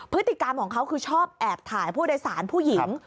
พฤติกรรมของเขาคือชอบแอบถ่ายผู้โดยสารผู้หญิง